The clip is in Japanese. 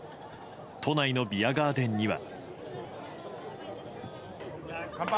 都内のビアガーデンには。